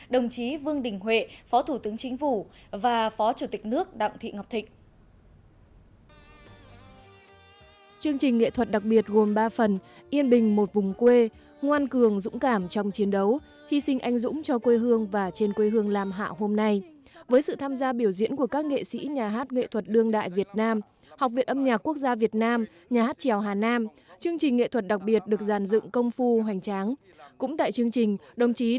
đồng chí vương đình huệ phó thủ tướng chính phủ và phó chủ tịch nước đặng thị ngọc thịnh